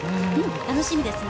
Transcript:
楽しみですね。